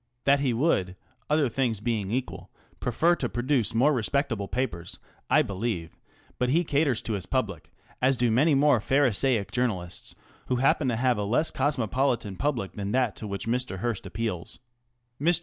That he would, other things being equal, prefer to produce more respectable papers I believe, but he caters to his public, as do many more pharisaic journalists who happen to have a less cosmopolitan public than that to which Mr. Hearst appeals. Mr.